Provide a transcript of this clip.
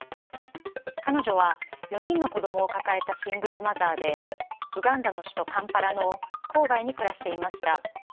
彼女は４人の子供を抱えたシングルマザーでウガンダの首都カンパラの郊外に暮らしていました。